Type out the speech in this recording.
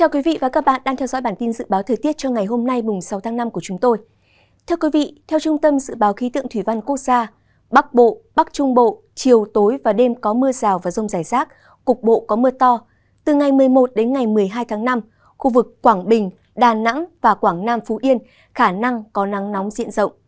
các bạn hãy đăng ký kênh để ủng hộ kênh của chúng mình nhé